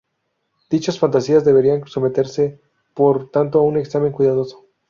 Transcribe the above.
Dichas fantasías deberían someterse por tanto a un examen cuidadoso.